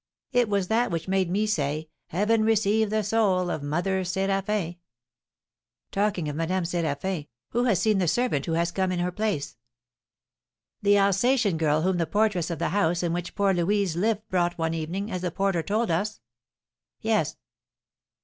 "It was that which made me say, 'Heaven receive the soul of Mother Séraphin!'" "Talking of Madame Séraphin, who has seen the servant who has come in her place?" "The Alsatian girl whom the portress of the house in which poor Louise lived brought one evening, as the porter told us?" "Yes."